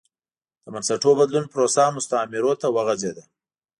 د بنسټونو بدلون پروسه مستعمرو ته وغځېده.